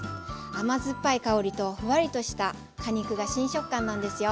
甘酸っぱい香りとふわりとした果肉が新食感なんですよ。